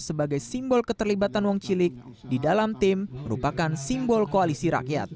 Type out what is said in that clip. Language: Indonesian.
sebagai simbol keterlibatan wong cilik di dalam tim merupakan simbol koalisi rakyat